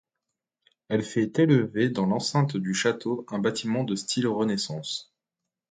Elle fait élever dans l’enceinte du château un bâtiment de style renaissance.